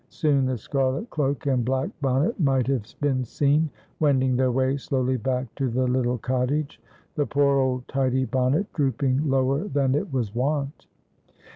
Soon the scarlet cloak and black bonnet might have been seen wending their way slowly back to the little cottage, the poor old tidy bonnet drooping lower than it was wont.